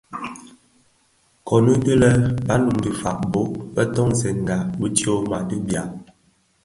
Komid lè Balum dhi fag bō toňdènga bi tyoma ti bia.